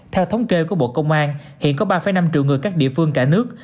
theo thống kê của bộ công an hiện có ba năm triệu người các địa phương cả nước